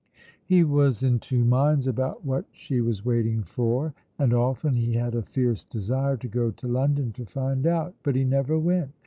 He was in two minds about what she was waiting for, and often he had a fierce desire to go to London to find out. But he never went.